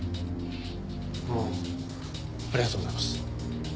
ありがとうございます。